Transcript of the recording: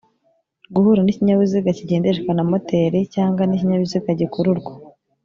guhura n’ikinyabiziga kigendeshwa na moteri cyangwa n’ikinyabiziga gikururwa